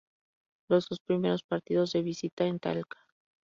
Los dos primeros partidos de visita en Talca.